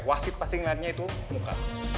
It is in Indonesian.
wasit pasti ngelihatnya itu muka